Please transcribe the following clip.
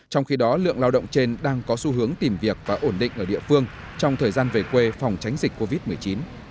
trong đó lao động cơ khí may mặc chiếm tỷ lệ cao nhưng gần hai tháng trôi qua chỉ có khoảng một trăm năm mươi lao động đến tìm việc